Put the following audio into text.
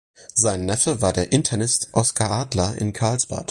Sein Neffe war der Internist Oscar Adler in Karlsbad.